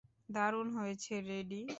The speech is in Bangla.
দারুণ হয়েছে রেডি।